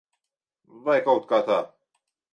Vai kaut kā tā.